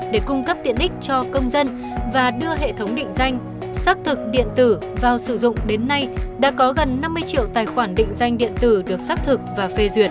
để cung cấp tiện đích cho công dân và đưa hệ thống định danh xác thực điện tử vào sử dụng đến nay đã có gần năm mươi triệu tài khoản định danh điện tử được xác thực và phê duyệt